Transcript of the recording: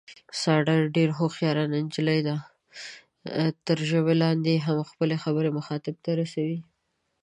ساره ډېره هوښیاره نجیلۍ ده، تر ژبه لاندې هم خپله خبره مخاطب ته رسوي.